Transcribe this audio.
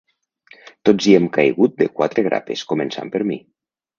Tots hi hem caigut de quatre grapes, començant per mi.